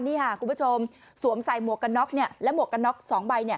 นี่ค่ะคุณผู้ชมสวมใส่หมวกกันน็อคและหมวกกันน็อค๒ใบ